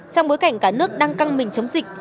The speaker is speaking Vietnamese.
trong bối cảnh cả nước đang căng mình chống dịch